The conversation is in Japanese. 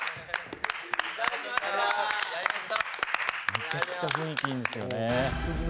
めちゃくちゃ雰囲気いいんですよね。